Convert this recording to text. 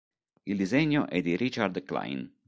Il disegno è di Richard Klein.